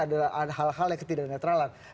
adalah hal hal yang ketidak netralan